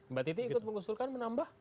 mbak titi ikut mengusulkan menambah